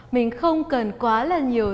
mình không cần quá là nhiều